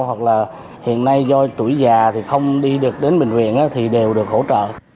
hoặc là hiện nay do tuổi già thì không đi được đến bệnh viện thì đều được hỗ trợ